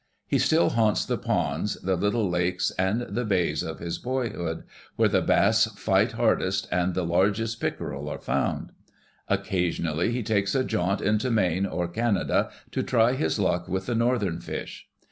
He still haunts the ponds, the little lakes and the bays of his boy hood, where the bass fight hardest and the largest pickerel are found. Occasionally he takes a jaunt into Maine or Canada to try his luck with the northern fish.